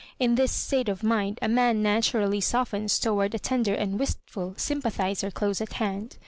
In this state of mind a man naturally soflens towards a ten der and wistful sympathiser close at hand.